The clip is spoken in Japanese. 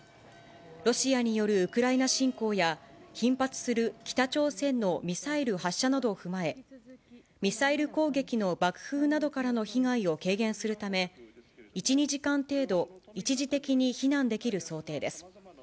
ロシアによるウクライナ侵攻や、頻発する北朝鮮のミサイル発射などを踏まえ、ミサイル攻撃の爆風などからの被害を軽減するため、１、２時間程度、一時的に避難できる想定です。